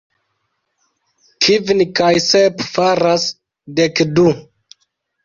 Kvin kaj sep faras dek du.